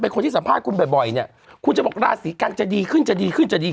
เป็นคนที่สารพาทคุณบ่อยเนี่ยคุณจะต่อกระศติกันจะดีขึ้นจะดีขึ้นจะดี